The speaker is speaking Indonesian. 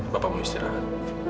bapak mau istirahat